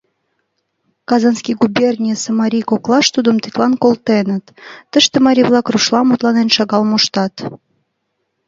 Казанский губернийысе марий коклаш тудым тидлан колтеныт, тыште марий-влак рушла мутланен шагал моштат.